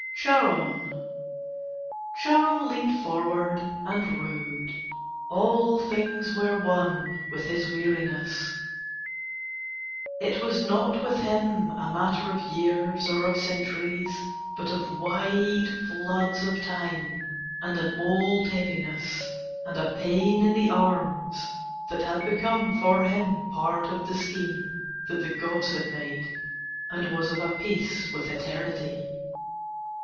CHARON Charon leaned forward and rowed. All things were one with his weariness. It was not with him a matter of years or of centuries, but of wide floods of time, and an old heaviness and a pain in the arms that had become for him part of the scheme that the gods had made and was of a piece with Eternity.